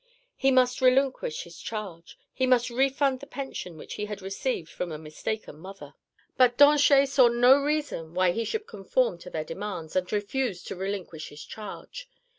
He must relinquish his charge; he must refund the pension which he had received from the mistaken mother. But Danchet saw no reason why he should conform to their demands, and refused to relinquish his charge.